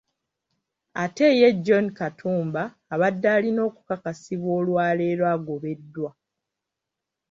Ate ye John Katumba abadde alina okukakasibwa olwaleero agobeddwa